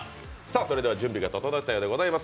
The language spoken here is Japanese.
それでは準備が整ったようでございます。